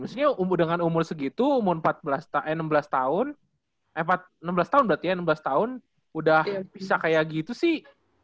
maksudnya dengan umur segitu umur enam belas tahun udah bisa kayak gitu sih